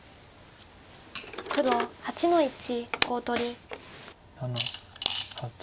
黒８の一コウ取り。